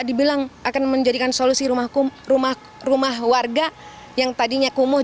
dibilang akan menjadikan solusi rumah warga yang tadinya kumuh